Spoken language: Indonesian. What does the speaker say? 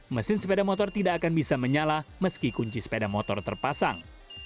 mesin sepeda motor tidak akan bisa menyala meski kunci sepeda motor terpasang